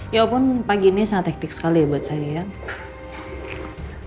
yaupun pagi ini sangat hektik sekali ya buat saya ya